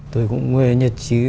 tôi cũng người nhật chí